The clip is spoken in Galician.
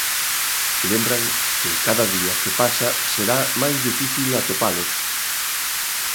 Lembran que cada día que pasa será máis difícil atopalos.